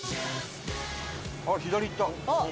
あっ左行った！